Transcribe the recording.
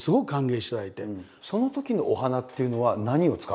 そのときのお花っていうのは何を使われたんですか？